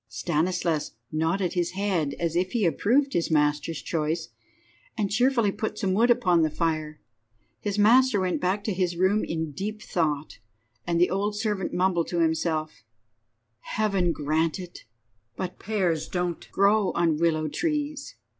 Stanislas nodded his head, as if he approved of his master's choice, and cheerfully put some wood upon the fire. His master went back to his room in deep thought, and the old servant mumbled to himself— "Heaven grant it! But pears don't grow on willow trees."